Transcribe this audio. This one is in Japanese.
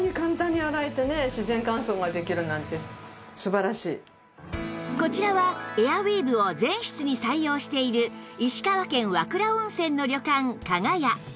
さらにこちらはエアウィーヴを全室に採用している石川県和倉温泉の旅館加賀屋